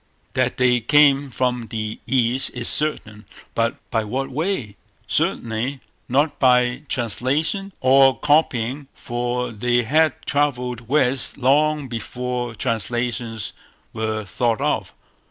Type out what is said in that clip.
That they came from the East is certain; but by what way, certainly not by translations or copying, for they had travelled west long before translations were thought of.